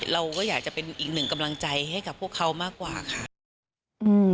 เราก็อยากจะเป็นอีกหนึ่งกำลังใจให้กับพวกเขามากกว่าค่ะ